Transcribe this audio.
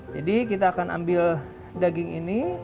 jadi kita akan ambil daging ini